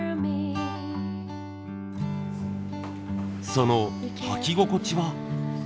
その履き心地は？